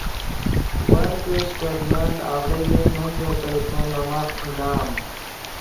ون کہ سٹیٹمنٹ اڤڑے ڤی من یو پیسو نے ماخ انعام